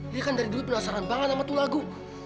dia kan dari dulu penasaran banget sama tuh lagu